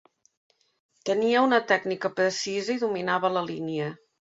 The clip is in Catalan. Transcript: Tenia una tècnica precisa i dominava la línia.